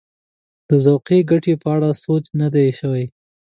د ذوقي ګټې په اړه سوچ نه دی شوی.